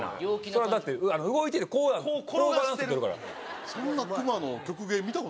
それはだって動いててこうバランス取るから。